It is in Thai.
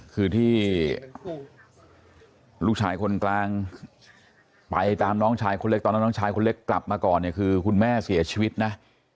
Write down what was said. คือที่ลูกชายคนกลางไปตามน้องชายคนเล็กตอนนั้นน้องชายคนเล็กกลับมาก่อนเนี่ยคือคุณแม่เสียชีวิตนะ